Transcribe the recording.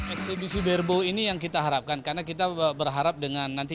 eksebisi barebow ini yang kita harapkan karena kita berharap dengan nanti